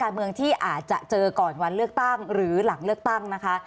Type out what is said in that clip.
การเมืองที่อาจจะเจอก่อนวันเลือกตั้งหรือหลังเลือกตั้งนะคะ